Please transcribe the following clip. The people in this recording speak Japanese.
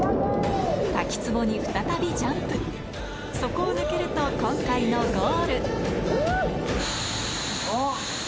滝つぼに再びジャンプそこを抜けると今回のゴールあ！